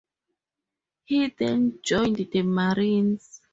He then joined the Marines.